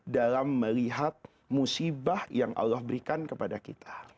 dalam melihat musibah yang allah berikan kepada kita